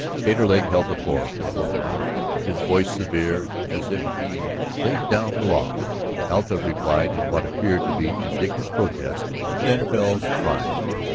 Taterleg held the floor for a little while, his voice severe as if he laid down the law. Alta replied in what appeared to be indignant protest, then fell to crying.